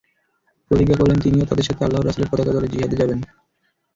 প্রতিজ্ঞা করলেন, তিনিও তাদের সাথে আল্লাহর রাসূলের পতাকা তলে জিহাদে যাবেন।